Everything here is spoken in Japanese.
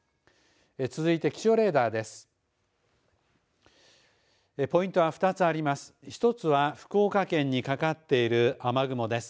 続いて、気象レーダーです。